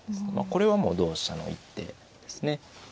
これはもう同飛車の一手ですね。